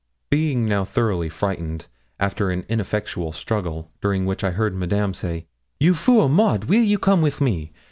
Being now thoroughly frightened, after an ineffectual struggle, during which I heard Madame say, 'You fool, Maud, weel you come with me?